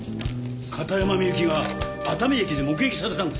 片山みゆきが熱海駅で目撃されたんですか？